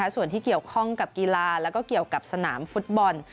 ส่วนที่เกี่ยวข้องกับกีฬาแล้วก็เกี่ยวกับสนามฟุตบอล